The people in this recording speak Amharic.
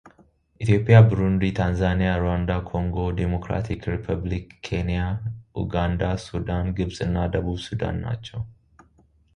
ኢትዮጵያ ብሩንዲ ታንዛኒያ ሩዋንዳ ኮንጎ ዲሞክራቲክ ሪፐብሊክ ኬንያ ኡጋንዳ ሱዳን ግብፅ እና ደቡብ ሱዳን ናቸው።